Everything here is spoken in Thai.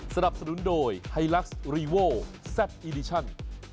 สนับสนุนโดยไฮลักษ์รีโวแซคอีดิชั่น